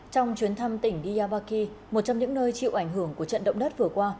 trong chuyến thăm tỉnh diabaki một trong những nơi chịu ảnh hưởng của trận động đất vừa qua